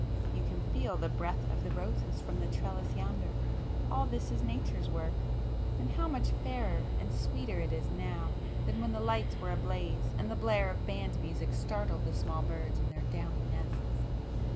You can feel the breath of the roses from the trellis yonder! All this is Nature's work,—and how much fairer and sweeter it is now than when the lights were ablaze and the blare of band music startled the small birds in their downy nests!